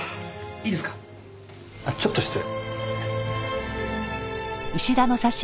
あっちょっと失礼。